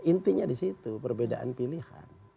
intinya di situ perbedaan pilihan